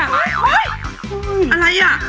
อะไรอ่ะ